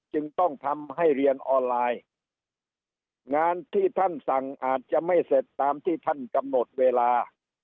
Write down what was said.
จึงต้องทำให้เรียนออนไลน์งานที่ท่านสั่งอาจจะไม่เสร็จตามที่ท่านกำหนดเวลา